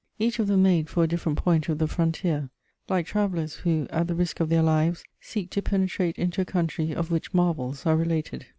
Each of them made for a different point of the frontier, like travellers who, at the risk of their lives, seek to penetrate into a country of which marvels are related.